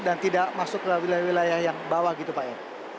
dan tidak masuk ke wilayah wilayah yang bawah gitu pak ya